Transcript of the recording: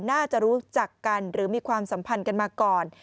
น่าจะรู้จักกันหรือมีความสัมพันธ์กันมาก่อน